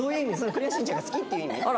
『クレヨンしんちゃん』が好きっていう意味？